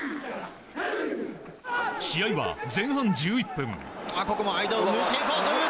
試合は前半１１分。